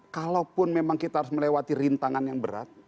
kalaupun memang kita harus melewati rintangan yang berat